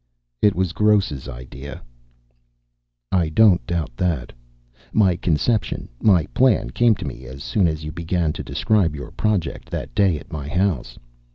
"It was Gross' idea." "I don't doubt that. My conception, my plan, came to me as soon as you began to describe your project, that day at my house.